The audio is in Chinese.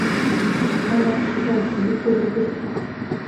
长达十小时以后就不行了